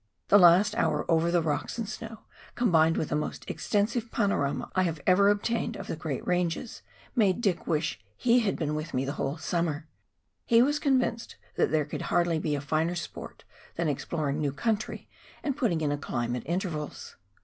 The last hour over the rocks and snow, combined with the most extensive panorama I have ever, obtained of the great ranges, made Dick wish he had been with me the whole summer ; he was convinced that there could hardly be a finer sport than exploring new country and putting in a climb at intervals.